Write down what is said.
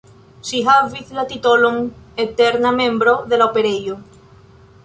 Ŝi havis la titolon eterna membro de la Operejo.